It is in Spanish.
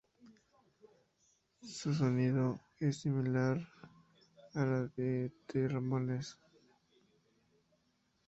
Su sonido es similar al de The Ramones.